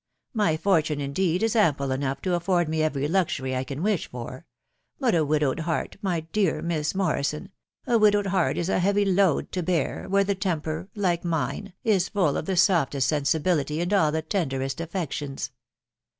My fortune, indeed, 16 ample enough to afford me every luxury I can wish for ;.... but a widowed heart, my dear Miss Morrison .... a widowed heart is a heavy load to bear, where the temper, like mine, is full of the softest sensibility and all the tenderest affections.